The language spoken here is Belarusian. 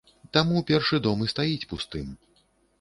Таму першы дом і стаіць пустым.